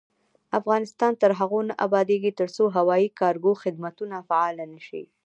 افغانستان تر هغو نه ابادیږي، ترڅو هوایي کارګو خدمتونه فعال نشي.